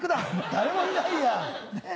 誰もいないやねぇ。